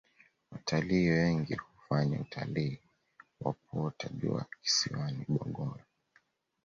watalii wengi hufanya utalii wa kuota jua kisiwani bongoyo